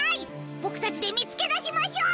ボクたちでみつけだしましょう！